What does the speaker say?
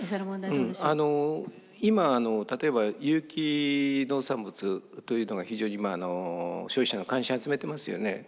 うんあの今の例えば有機農産物というのが非常に消費者の関心を集めてますよね。